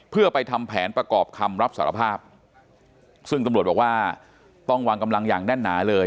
เพื่อไปทำแผนประกอบคำรับสารภาพซึ่งตำรวจบอกว่าต้องวางกำลังอย่างแน่นหนาเลย